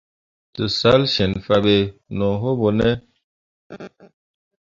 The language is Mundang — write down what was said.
Tǝsalsyiŋfanne be no wul ɓo ne.